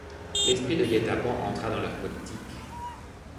L'esprit de guet-apens entra dans leur politique.